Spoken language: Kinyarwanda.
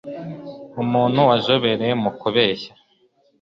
Umuntu wazobereye mu kubeshya